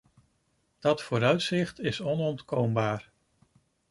Dat vooruitzicht is onontkoombaar.